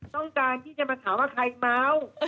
ต้องการที่จะมาถามว่าใครเมา